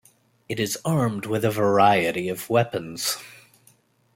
It is armed with a variety of weapons.